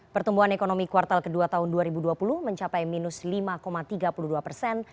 pertumbuhan ekonomi kuartal ke dua tahun dua ribu dua puluh mencapai minus lima tiga puluh dua persen